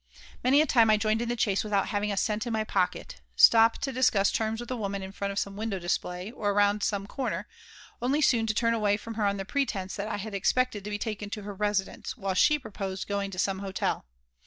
Many a time I joined in the chase without having a cent in my pocket, stop to discuss terms with a woman in front of some window display, or around a corner, only soon to turn away from her on the pretense that I had expected to be taken to her residence while she proposed going to some hotel.